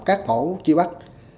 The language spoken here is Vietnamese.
các thổ chi bắt